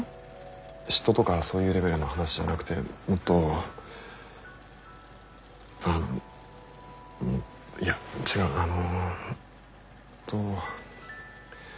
嫉妬とかそういうレベルの話じゃなくてもっとあのいや違うあの。